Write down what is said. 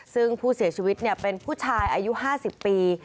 ซึ่งผู้เสียชีวิตเป็นผู้ชายอายุ๕๐ปี